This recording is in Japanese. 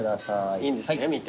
いいんですね見て。